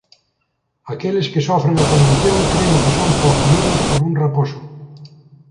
Aqueles que sofren a condición cren que son posuídos por un raposo.